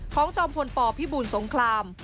จอมพลปพิบูลสงคราม